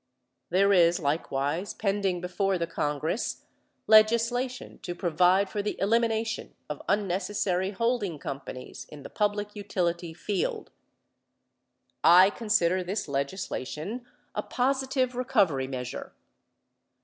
There is likewise pending before the Congress legislation to provide for the elimination of unnecessary holding companies in the public utility field. I consider this legislation a positive recovery measure.